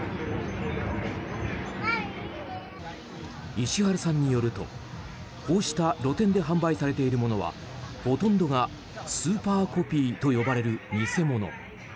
石原さんによるとこうした露店で販売されているものはほとんどがスーパーコピーと呼ばれる偽物。